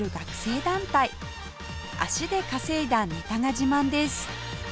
足で稼いだネタが自慢です